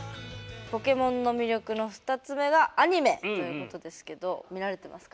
ポケモンの魅力の２つ目がアニメということですけど見られてますか？